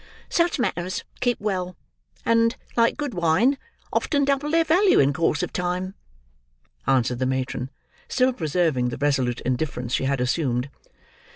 "Such matters keep well, and, like good wine, often double their value in course of time," answered the matron, still preserving the resolute indifference she had assumed.